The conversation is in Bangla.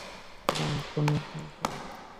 না কোনো সন্তান।